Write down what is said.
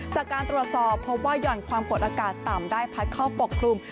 จากการตรวจสอบพบว่าห่อนความกดอากาศต่ำได้พัดเข้าปกคลุม